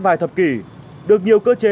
vài thập kỷ được nhiều cơ chế